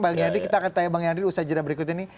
bang yandri kita akan tanya bang yandri usai jeda berikut ini